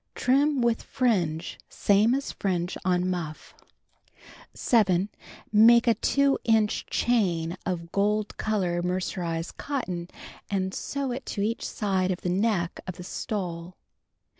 Trim with fringe same as fringe on muff. 7. Make a 2 inch chain of gold color mercerized cotton and sew it to each side of the neck of the stole.